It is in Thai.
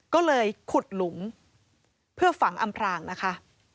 ก็เลยขุดหลุมเพื่อฝังอำพรางนะคะ